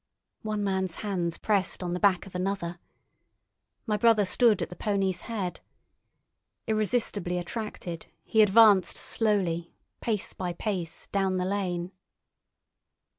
One man's hands pressed on the back of another. My brother stood at the pony's head. Irresistibly attracted, he advanced slowly, pace by pace, down the lane.